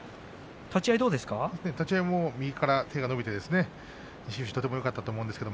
立ち合いも右から手が伸びてよかったと思います。